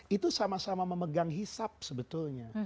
itu sama sama memegang hisap sebetulnya